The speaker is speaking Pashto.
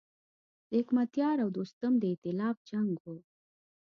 د حکمتیار او دوستم د ایتلاف جنګ و.